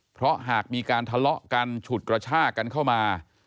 เพราะหากมีการทะเลาะกันฉุดกระชากันเข้ามา